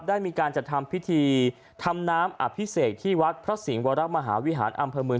ได้มีการจัดทำพิธีทำน้ำอภิเษกที่วัดพระสิงห์วรมหาวิหารอำเภอเมือง